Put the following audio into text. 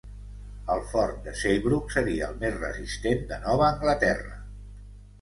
El fort de Saybrook seria el més resistent de Nova Anglaterra.